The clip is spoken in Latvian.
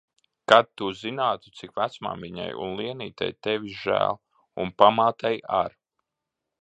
Kad tu zinātu, cik vecmāmiņai un Lienītei tevis žēl. Un pamātei ar.